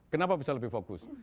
kenapa bisa lebih fokus